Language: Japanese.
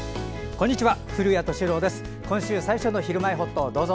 こんにちは。